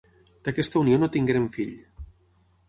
D'aquesta unió no tingueren fill.